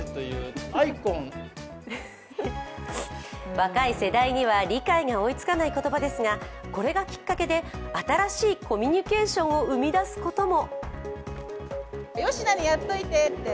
若い世代には理解が追いつかない言葉ですがこれがきっかけで新しいコミュニケーションを生み出すことも。